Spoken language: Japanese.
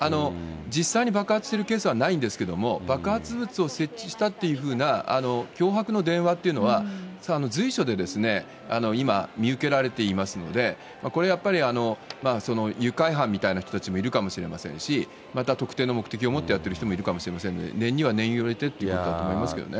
実際に爆発しているケースはないんですけれども、爆発物を設置したというような脅迫の電話っていうのは、随所で今、見受けられていますので、これやっぱり、愉快犯みたいな人たちもいるかもしれませんし、また、特定の目的を持ってやっている人もいるかもしれませんので、念には念を入れてってことだと思いますけどね。